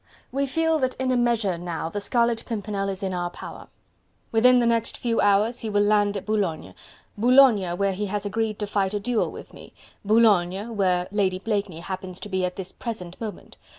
We feel that in a measure now the Scarlet Pimpernel is in our power. Within the next few hours he will land at Boulogne... Boulogne, where he has agreed to fight a duel with me... Boulogne, where Lady Blakeney happens to be at this present moment...